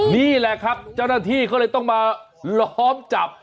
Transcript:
นี่แหละครับเจ้าหน้าที่เขาเลยต้องมาล้อมจับ